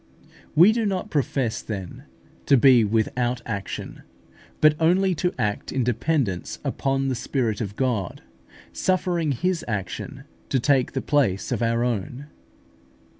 We do not profess, then, to be without action, but only to act in dependence upon the Spirit of God, suffering His action to take the place of our own.